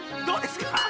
どうですか？